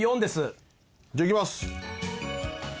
じゃあいきます。